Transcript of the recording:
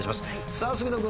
さあ杉野君。